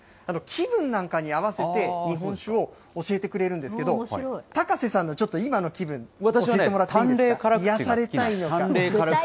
気分なんかに合わせて、日本酒を教えてくれるんですけど、高瀬さんのちょっと今の気分、教えても私はね、淡麗辛口。